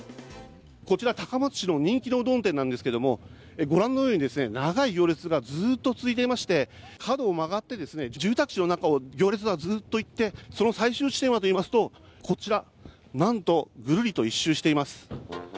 こちら高松市の人気のうどん店なんですけれどもご覧のように長い行列がずーっと続いていまして角を曲がって、住宅地の中を行列の中ずっと行って、その最終地点はといいますと、こちら、なんとグルリと１周しています。